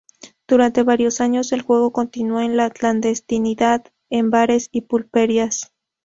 Durante varios años el juego continuó en la clandestinidad en bares y pulperías.